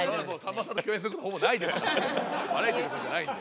バラエティーの方じゃないんで。